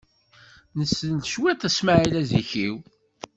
Nessen cwiṭ Smaɛil Azikiw.